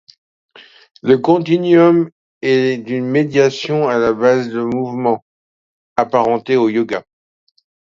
Le Continuum est une méditation à base de mouvements, apparentée au yoga.